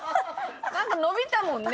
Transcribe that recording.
なんか伸びたもんね